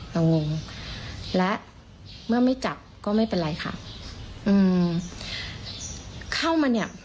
งงและเมื่อไม่จับก็ไม่เป็นไรค่ะอืมเข้ามาเนี่ย